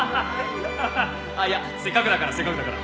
「いやせっかくだからせっかくだから」